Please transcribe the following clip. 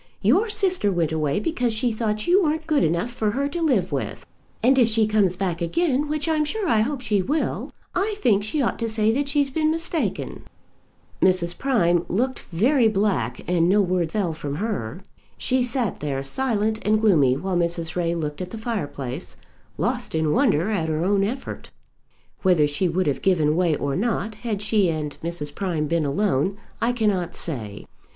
Your sister went away because she thought you weren't good enough for her to live with; and if she comes back again, which I'm sure I hope she will, I think she ought to say that she's been mistaken." Mrs. Prime looked very black, and no word fell from her. She sat there silent and gloomy, while Mrs. Ray looked at the fireplace, lost in wonder at her own effort. Whether she would have given way or not, had she and Mrs. Prime been alone, I cannot say.